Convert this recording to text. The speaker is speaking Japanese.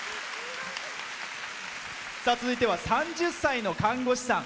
続いては３０歳の看護師さん。